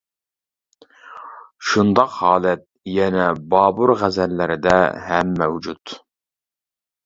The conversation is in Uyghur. شۇنداق ھالەت يەنە بابۇر غەزەللىرىدە ھەم مەۋجۇت.